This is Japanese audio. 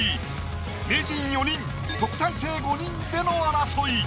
名人４人特待生５人での争い。